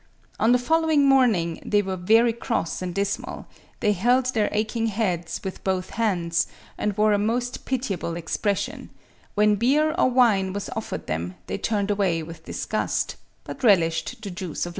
On the following morning they were very cross and dismal; they held their aching heads with both hands, and wore a most pitiable expression: when beer or wine was offered them, they turned away with disgust, but relished the juice of lemons.